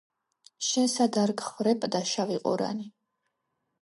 შენ სად არ გხვრეპდა შავი ყორანი